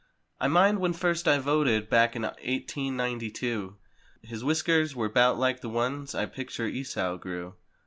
I mind when first I voted back in eighteen ninety two. His whiskers were 'bout like the ones I picture Esau grew.